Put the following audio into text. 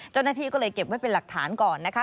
เจ้าหน้าที่ก็เลยเก็บไว้เป็นหลักฐานก่อนนะคะ